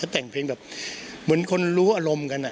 แต่งเพลงแบบเหมือนคนรู้อารมณ์กัน